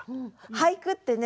俳句ってね